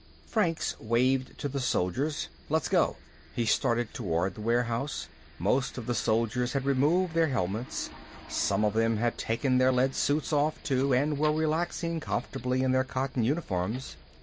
Franks waved to the soldiers. "Let's go." He started toward the warehouse. Most of the soldiers had removed their helmets. Some of them had taken their lead suits off, too, and were relaxing comfortably in their cotton uniforms.